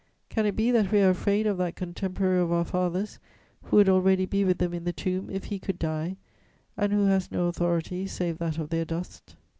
Can it be that we are afraid of that contemporary of our fathers, who would already be with them in the tomb, if he could die, and who has no authority, save that of their dust?